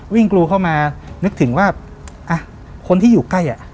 วิ่งกลูเข้ามานึกถึงว่าคนที่อยู่ใกล้